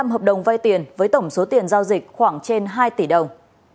tám mươi năm hợp đồng vay tiền với tổng số tiền giao dịch khoảng trên hai tỷ đồng